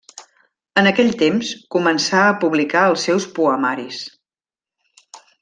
En aquell temps, començà a publicar els seus poemaris.